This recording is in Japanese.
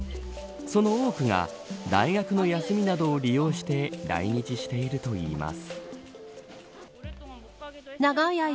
その多くが大学の休みなどを利用して来日しているといいます。